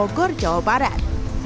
bogor jawa barat